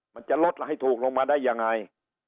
มันจะลดให้ถูกลงมาได้ยังไง